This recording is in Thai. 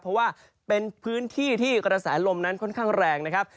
เพราะว่าเป็นพื้นที่ที่กระแสลมนั้นค่อนข้างแรงนะครับ